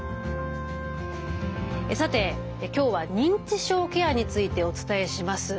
さて今日は認知症ケアについてお伝えします。